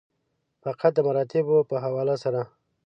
فقط د مراتبو په حواله سره.